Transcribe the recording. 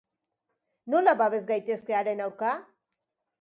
Nola babes gaitezke haren aurka?